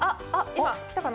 今来たかな？